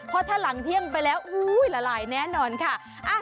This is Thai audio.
เพราะถ้าหลังเที่ยงไปแล้วอุ้ยละลายแน่นอนค่ะ